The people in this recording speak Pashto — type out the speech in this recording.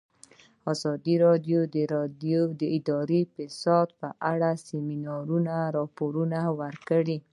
ازادي راډیو د اداري فساد په اړه د سیمینارونو راپورونه ورکړي.